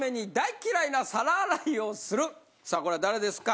さあこれは誰ですか？